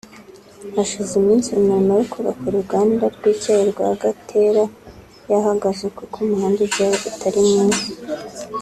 Hashize iminsi imirimo yo kubaka uruganda rw’Icyayi rwa Gatare yahagaze kuko umuhanda ujyayo utari mwiza